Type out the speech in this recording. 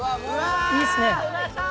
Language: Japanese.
いいですね。